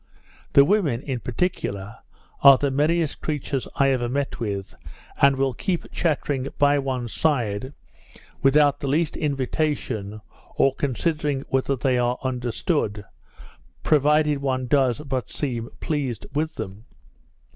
The women, in particular, are the merriest creatures I ever met with, and will keep chattering by one's side, without the least invitation, or considering whether they are understood, provided one does but seem pleased with them.